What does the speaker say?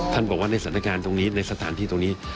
ท่านบอกว่าในศาลนการตรงนี้ในสถานที่ตรงนี้